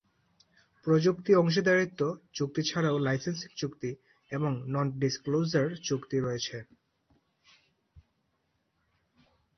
প্রযুক্তি অংশীদারিত্ব চুক্তি ছাড়াও লাইসেন্সিং চুক্তি এবং ননডিসক্লোজার চুক্তি রয়েছে।